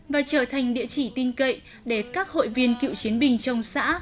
và trở thành địa chỉ tin cậy để các hội viên cựu chiến binh trong xã